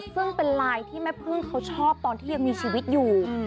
ซึ่งเป็นไลน์ที่แม่พึ่งเขาชอบตอนที่ยังมีชีวิตอยู่